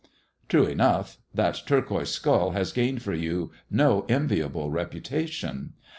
" True enough : that turquoise skull has gained for you no enviable reputation."